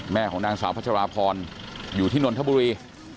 ของนางสาวพัชราพรอยู่ที่นนทบุรี